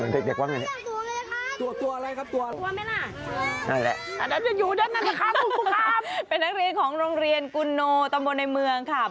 เด็กว่าอยากถูกไหมครับ